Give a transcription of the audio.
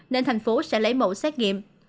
nên thành phố sẽ lấy mẫu xét nghiệm